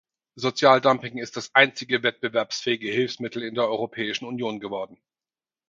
Sozialdumping ist das einzige wettbewerbsfähige Hilfsmittel in der Europäischen Union geworden.